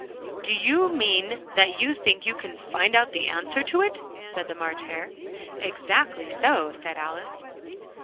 "Do you mean that you think you can find out the answer to it?" said the March Hare. "Exactly so," said Alice.